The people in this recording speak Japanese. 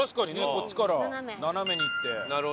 こっちから斜めに行って。